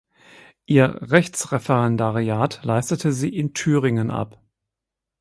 Ihr Rechtsreferendariat leistete sie in Thüringen ab.